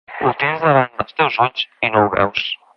Ho tens davant dels teus ulls i no ho veus.